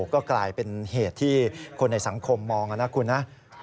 ก็กลายเป็นเหตุที่คนในสังคมมองนะคุณนะ